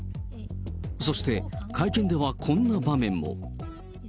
そして会見ではこんな場面も。